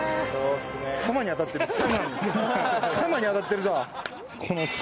「様」に当たってるぞ「様」に。